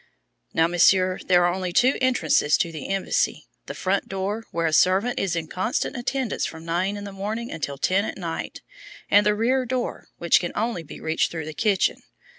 "Now, Monsieur, there are only two entrances to the embassy the front door, where a servant is in constant attendance from nine in the morning until ten at night, and the rear door, which can only be reached through the kitchen.